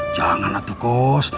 jangan lah tuh kos